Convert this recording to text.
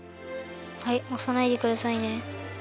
はいおさないでくださいね。